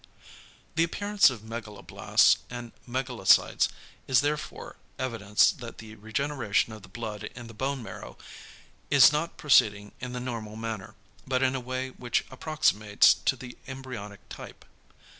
= The appearance of megaloblasts and megalocytes is therefore evidence that the regeneration of the blood in the bone marrow is not proceeding in the normal manner, but in a way which approximates to the embryonic type.